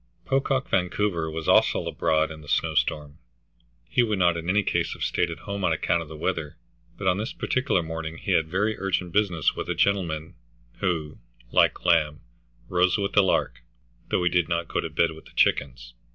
Pocock Vancouver was also abroad in the snowstorm. He would not in any case have stayed at home on account of the weather, but on this particular morning he had very urgent business with a gentleman who, like Lamb, rose with the lark, though he did not go to bed with the chickens.